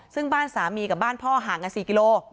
ซึ่งบ้านสามีกับบ้านพ่อห่างกัน๔กิโล